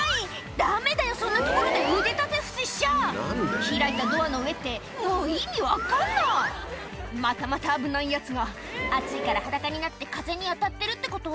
ダメだよそんな所で腕立て伏せしちゃ開いたドアの上ってもう意味分かんないまたまた危ないヤツが暑いから裸になって風に当たってるってこと？